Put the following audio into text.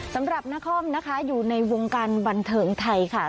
สำหรับนครนะคะอยู่ในวงการบันเทิงไทยค่ะ